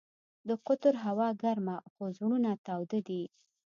د قطر هوا ګرمه خو زړونه تاوده دي.